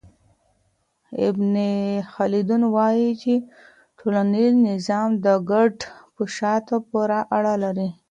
ابن خلدون وايي چي ټولنيز نظام د کډه په شاته پوري اړه لري.